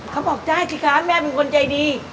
เขาบอกได้สิคะแม่เป็นคนใจดี